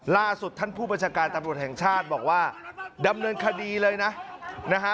ล่าสุดท่านผู้บัญชาการตำรวจแห่งชาติบอกว่าดำเนินคดีเลยนะนะฮะ